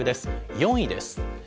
４位です。